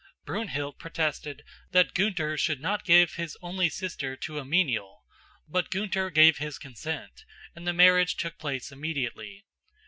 Brunhild protested that Gunther should not give his only sister to a menial, but Gunther gave his consent and the marriage took place immediately.